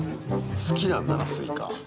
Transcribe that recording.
好きなんだなスイカ。